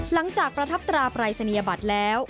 หลังจากประทับตราปรัศนียบัตรแล้ว